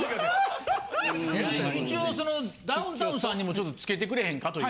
一応ダウンタウンさんにもちょっと着けてくれへんかという。